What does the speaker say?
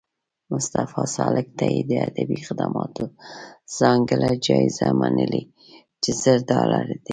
مصطفی سالک ته یې د ادبي خدماتو ځانګړې جایزه منلې چې زر ډالره دي